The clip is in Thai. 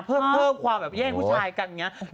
เพิ่มความแบบแย่งผู้ชายกันอย่างนี้